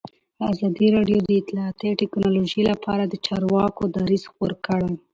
ازادي راډیو د اطلاعاتی تکنالوژي لپاره د چارواکو دریځ خپور کړی.